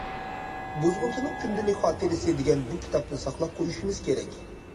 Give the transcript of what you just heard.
« بۇزغۇنچىنىڭ كۈندىلىك خاتىرىسى» دېگەن بۇ كىتابنى ساقلاپ قويۇشىمىز كېرەك.